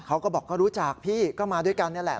เขาก็บอกก็รู้จักพี่ก็มาด้วยกันนี่แหละ